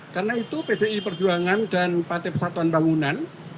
karena itu bdi perjuangan dan partai persatuan bangunan